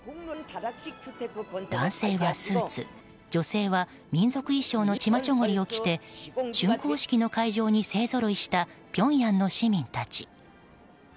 男性はスーツ女性は民族衣装のチマチョゴリを着て竣工式の会場に勢ぞろいしたピョンヤンの市民たち。